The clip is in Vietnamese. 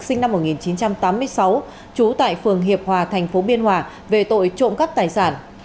sinh năm một nghìn chín trăm tám mươi sáu trú tại phường hiệp hòa tp biên hòa về tội trộn cấp tài sản